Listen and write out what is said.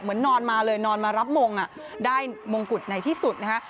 นอนมาเลยนอนมารับมงได้มงกุฎในที่สุดนะคะ